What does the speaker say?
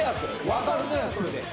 分かるとやそれで」